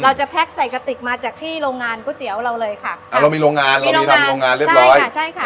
แก๊กใส่กระติกมาจากที่โรงงานก๋วยเตี๋ยวเราเลยค่ะอ่าเรามีโรงงานเรามีทำโรงงานเรียบร้อยค่ะใช่ค่ะ